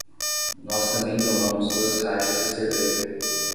Nós também tomamos duas caixas de cerveja.